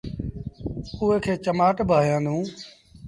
اُئي کي چمآٽ با هيآندونٚ۔